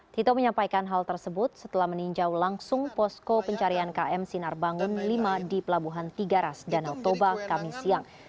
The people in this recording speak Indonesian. tito menyampaikan hal tersebut setelah meninjau langsung posko pencarian km sinar bangun lima di pelabuhan tiga ras dan otoba kamisiyang